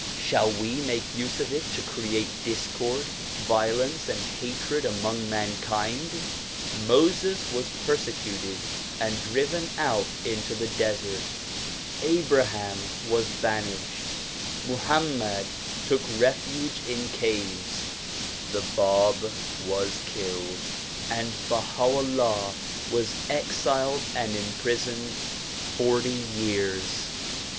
Shall we make use of it to create discord, violence and hatred among mankind? Moses was persecuted and driven out into the desert. Abraham was banished ; Moliammed took refuge in caves ; the Bab was killed 230 THE PROMULGATION OF UNIVERSAL PEACE and Baha 'Ullah was exiled and imprisoned forty years.